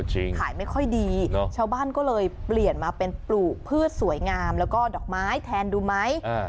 ขายไม่ค่อยดีชาวบ้านก็เลยเปลี่ยนมาเป็นปลูกพืชสวยงามแล้วก็ดอกไม้แทนดูไหม